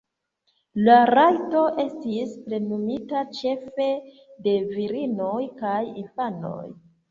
La rajto estis plenumita ĉefe de virinoj kaj infanoj.